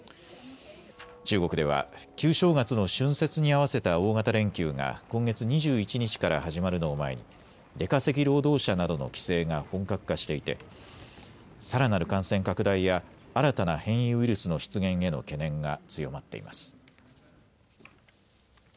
中国では旧正月の春節に合わせた大型連休が今月２１日から始まるのを前に出稼ぎ労働者などの帰省が本格化していてさらなる感染拡大や新たな変異ウイルスの出現への懸念が強まっています。